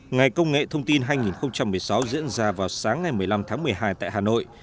ngày công nghệ thông tin hai nghìn một mươi sáu diễn ra vào sáng ngày một mươi năm tháng một mươi hai tại hà nội